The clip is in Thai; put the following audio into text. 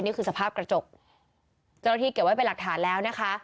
นี่คือสภาพกระจกเจ้าหน้าที่เก็บไว้เป็นหลักฐานแล้วนะคะ